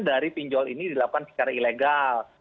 dari pinjol ini dilakukan secara ilegal